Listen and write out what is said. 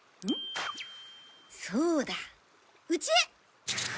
そうだうちへ！